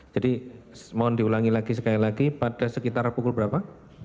jadi mohon diulangi lagi sekali lagi pada sekitar pukul berapa